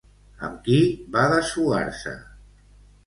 Amb qui va desfogar-se?